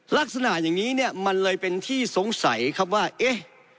ลักษณะอย่างนี้เนี่ยมันเลยเป็นที่สงสัยครับว่าเอ๊ะ